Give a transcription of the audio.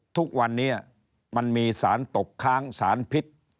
ทุกวันนี้มันมีสารตกค้างสารพิษ